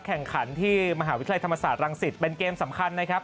แข่งขันที่มหาวิทยาลัยธรรมศาสตรังสิตเป็นเกมสำคัญนะครับ